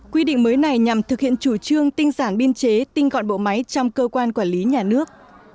quy định mới này nhằm thực hiện chủ trương tinh giản biên chế tinh gọn bộ máy trong cơ quan quản lý nhà nước